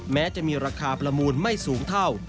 แม้จะมีราคาประมูลไม่สูงเท่า